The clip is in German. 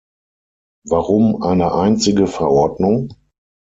Warum eine einzige Verordnung?